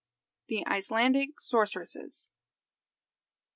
THE ICELANDIC SORCERESSES.